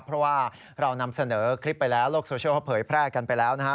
เพราะว่าเรานำเสนอคลิปไปแล้วโลกโซเชียลเขาเผยแพร่กันไปแล้วนะฮะ